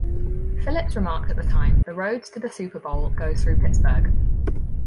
Phillips remarked at the time, The road to the Super Bowl goes through Pittsburgh.